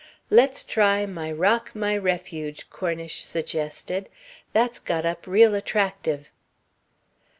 "Let's try 'My Rock, My Refuge,'" Cornish suggested. "That's got up real attractive."